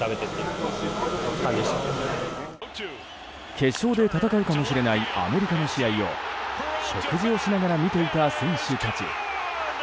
決勝で戦うかもしれないアメリカの試合を食事をしながら見ていた選手たち。